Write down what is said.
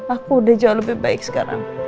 aku udah jauh lebih baik sekarang